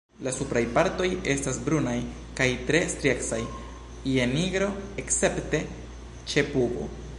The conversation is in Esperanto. La supraj partoj estas brunaj kaj tre striecaj je nigro, escepte ĉe pugo.